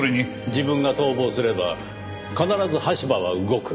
自分が逃亡すれば必ず羽柴は動く。